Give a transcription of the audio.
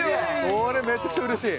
これめちゃくちゃうれしい！